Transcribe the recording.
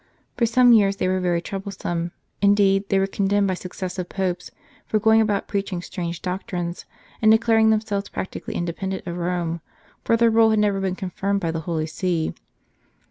For some years they were very troublesome ; indeed, they were condemned by successive Popes for going about preaching strange doctrines, and declaring themselves practically independent of Rome, for their rule had never been confirmed by the Holy See.